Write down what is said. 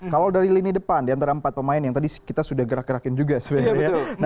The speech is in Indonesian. kalau dari lini depan diantara empat pemain yang tadi kita sudah gerak gerakin juga sebenarnya